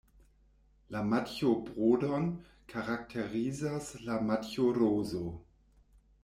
La matjo-brodon karakterizas la "matjo-rozo".